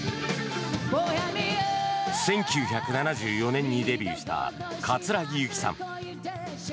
１９７４年にデビューした葛城ユキさん。